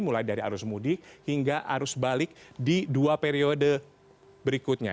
mulai dari arus mudik hingga arus balik di dua periode berikutnya